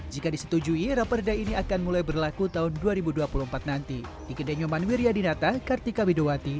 jika disetujui raperda ini akan mulai berlaku tahun dua ribu dua puluh empat nanti